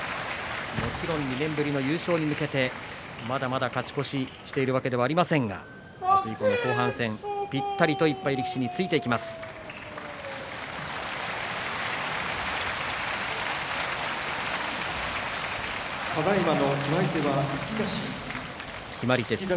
２年ぶりの優勝に向けてまだまだ勝ち越ししているわけではありませんが後半戦にぴったりと、１敗力士についていっています。